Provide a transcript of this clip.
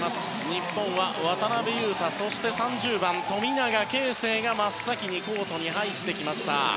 日本は渡邊雄太そして３０番の富永啓生が真っ先にコートに入りました。